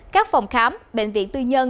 các phòng khám bệnh viện tư nhân